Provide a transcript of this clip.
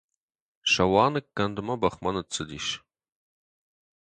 Сӕуа ныккӕндмӕ бӕхмӕ ныццыдис.